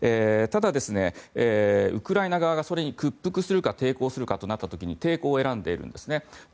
ただ、ウクライナ側がそれに屈服するか抵抗するかとなった時に抵抗を選んでいるんですね。